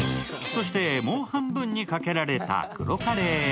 そして、もう半分にかけられた黒カレー。